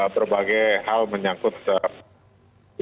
berbagai hal menyangkut covid sembilan belas